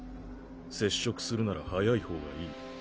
接触するなら早い方がいい。